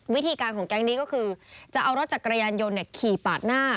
วิธีการของแก๊งนี้ก็คือจะเอารถจักรยานยนต์ขี่ปาดหน้า